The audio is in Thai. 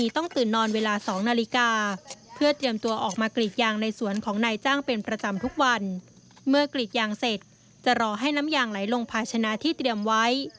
เมื่อกรีดยางเสร็จจะรอให้น้ำยางไหลลงภาชนะที่เตรียมไว้